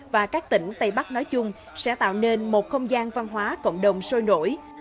và các tỉnh tây bắc nói chung sẽ tạo nên một không gian văn hóa cộng đồng sôi nổi